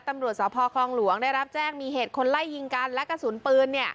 ตำรวจสพคลองหลวงได้รับแจ้งมีเหตุคนไล่ยิงกันและกระสุนปืน